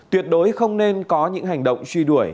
tuyệt đối không nên có những hành động truy đuổi